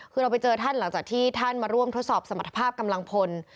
คือเราไปเจอท่านหลังจากที่ท่านมาร่วมทดสอบสมรรถภาพกำลังพล